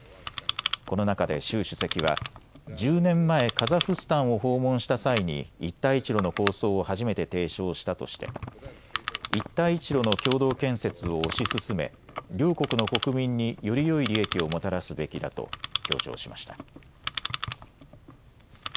この中で習主席は１０年前、カザフスタンを訪問した際に一帯一路の構想を初めて提唱したとして一帯一路の共同建設を推し進め両国の国民によりよい利益をもたらすべきだと強調しました。